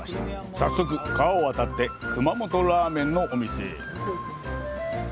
早速、川を渡って、熊本ラーメンのお店へ。